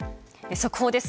速報です。